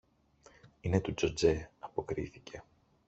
Είναι του Τζοτζέ, αποκρίθηκε.